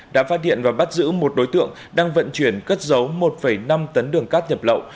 đã phát điện và bắt giữ một đối tượng đang vận chuyển cất giấu một năm tấn đường cát nhập lậu